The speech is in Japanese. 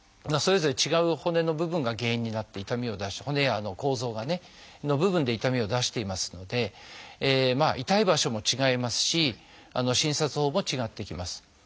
それぞれ違う骨の部分が原因になって痛みを出し骨や構造がねの部分で痛みを出していますので痛い場所も違いますし診察法も違ってきます。